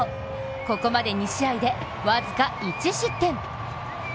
ここまで２試合で僅か１失点。